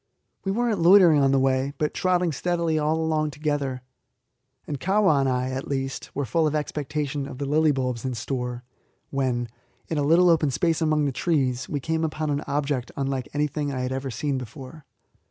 We were not loitering on the way, but trotting steadily along all together, and Kahwa and I, at least, were full of expectation of the lily bulbs in store, when, in a little open space among the trees, we came upon an object unlike anything I had ever seen before.